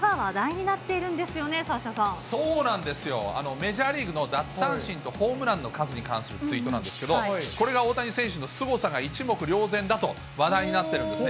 メジャーリーグの奪三振とホームランの数に関するツイートなんですけど、これが大谷選手のすごさが一目瞭然だと話題になっているんですね。